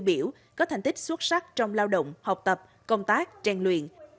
đoàn viên tiêu biểu có thành tích xuất sắc trong lao động học tập công tác trang luyện